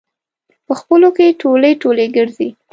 په خپلو کې ټولی ټولی ګرځي.